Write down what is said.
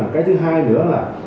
cái thứ hai nữa là